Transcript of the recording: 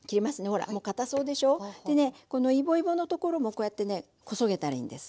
ほらもうかたそうでしょ？でねこのイボイボのところもこうやってねこそげたらいいんです。